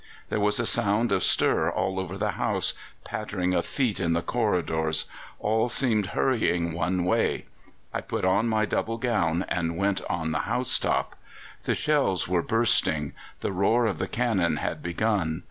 There was a sound of stir all over the house, pattering of feet in the corridors. All seemed hurrying one way. I put on my double gown and went on the house top. The shells were bursting. The roar of the cannon had begun.